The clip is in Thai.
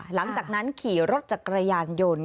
หลังจากนั้นขี่รถจักรยานยนต์